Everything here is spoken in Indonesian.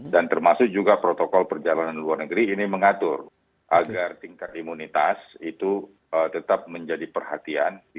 dan termasuk juga protokol perjalanan luar negeri ini mengatur agar tingkat imunitas itu tetap menjadi perhatian di dalam mobilitas